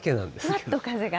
ふわっと風が。